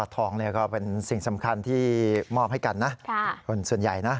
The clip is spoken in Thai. ทองละเนี่ยเป็นสิ่งสำคัญที่มอบให้กันนะ